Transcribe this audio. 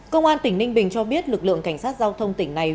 cơ quan tỉnh ninh bình cho biết lực lượng cảnh sát giao thông tỉnh này